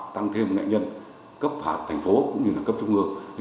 tăng thêm nghệ nhân cấp thành phố cũng như là cấp trung ương